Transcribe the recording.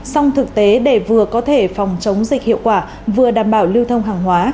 song thực tế để vừa có thể phòng chống dịch hiệu quả vừa đảm bảo lưu thông hàng hóa